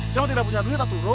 saya mah tidak punya duit atuh lo